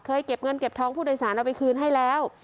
เคยเก็บเงินเก็บท้องสู่นัยสารแล้วก็มาให้ค่อยทราบ